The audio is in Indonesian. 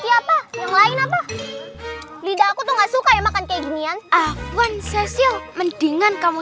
yang lain apa tidak aku tuh nggak suka makan kayak gini yang awan sosial mendingan kamu